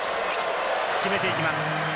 決めていきます。